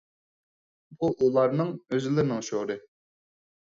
بۇ ئۇلارنىڭ ئۆزلىرىنىڭ شورى.